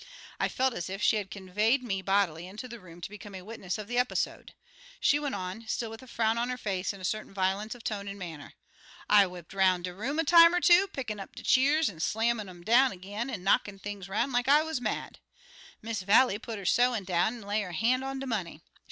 I felt as if she had conveyed me bodily into the room to become a witness of the episode. She went on, still with a frown on her face and a certain violence of tone and manner: "I whipped 'roun' de room a time er two, pickin' up de cheers an' slammin' um down agin, an' knockin' things 'roun' like I wuz mad. Miss Vallie put her sewin' down an' lay her han' on de money.